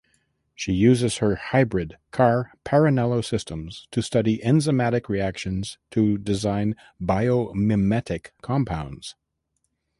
She uses her hybrid Car–Parrinello systems to study enzymatic reactions to design biomimetic compounds.